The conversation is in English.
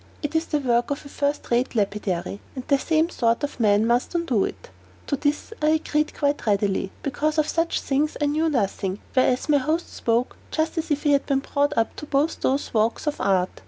It is the work of a first rate lapidary, and the same sort of man must undo it." To this I agreed quite readily, because of such things I knew nothing; whereas my host spoke just as if he had been brought up to both those walks of art.